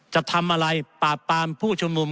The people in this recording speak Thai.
จะทำอะไรปากปามผู้ชมมุม